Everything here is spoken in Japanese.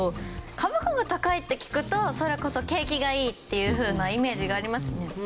株価が高いって聞くとそれこそ景気がいいっていうふうなイメージがありますね。